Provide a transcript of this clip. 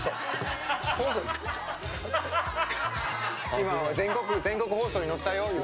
今全国全国放送に乗ったよ今。